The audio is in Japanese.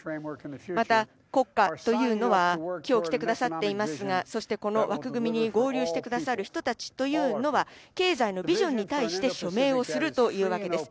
また国家というのは今日来てくださっていますがそしてこの枠組みに合流してくださる人たちというのは経済のビジョンに対して署名をするというわけです。